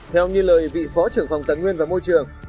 theo như lời vị phó trưởng phòng tài nguyên và môi trường